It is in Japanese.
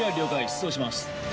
出動します